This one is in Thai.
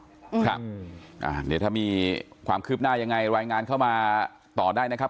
เดี๋ยวถ้ามีความคืบหน้ายังไงรายงานเข้ามาต่อได้นะครับ